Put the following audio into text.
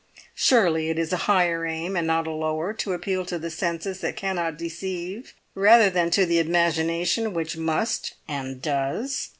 Surely it is a higher aim, and not a lower, to appeal to the senses that cannot deceive, rather than to the imagination which must and does?